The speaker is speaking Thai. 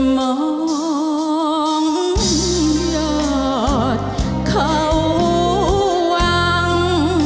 มองหยอดเขาหวัง